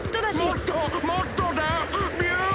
もっともっとだ！ビュン！